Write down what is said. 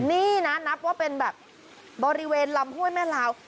นี่นะนับว่าเป็นแบบบริเวณลำห้วยแม่ลาว